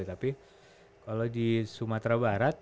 tapi kalau di sumatera barat